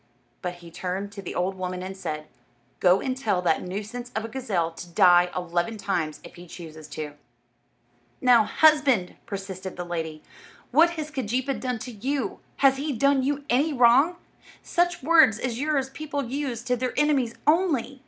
But he turned to the old woman and said, "Go and tell that nuisance of a gazelle to die eleven times if he chooses to." "Now, husband," persisted the lady, "what has Keejeepaa done to you? Has he done you any wrong? Such words as yours people use to their enemies only.